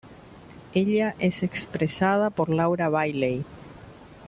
Ella es expresada por Laura Bailey.